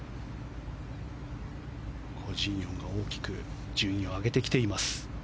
コ・ジンヨンが大きく順位を上げてきています。